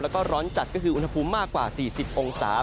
แล้วก็ร้อนจัดก็คืออุณหภูมิมากกว่า๔๐องศา